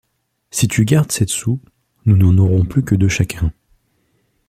Si tu gardes sept sous, nous n’en aurons plus que deux chacun.